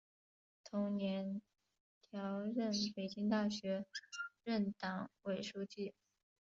同年调任北京大学任党委书记。